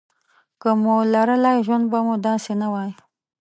که مو لرلای ژوند به مو داسې نه وای.